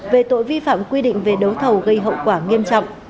về tội vi phạm quy định về đấu thầu gây hậu quả nghiêm trọng